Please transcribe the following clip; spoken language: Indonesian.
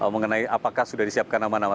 mengenai apakah sudah disiapkan nama nama